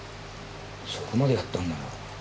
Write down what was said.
そこまでやったんなら。